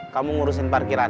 kamu ngurusin parkiran